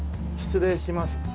失礼します。